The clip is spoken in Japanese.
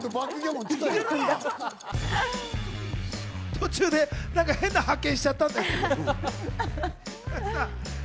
途中で変な発見しちゃったんだよね。